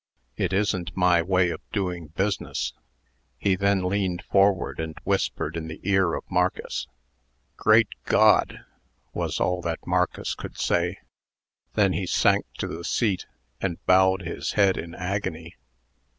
It isn't my way of doing business." He then leaned forward, and whispered in the ear of Marcus. "Great God!" was all that Marcus could say. Then he sank to the seat, and bowed his head in agony.